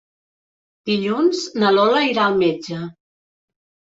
Dilluns na Lola irà al metge.